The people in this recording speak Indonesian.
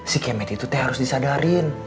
si kemet itu harus disadarin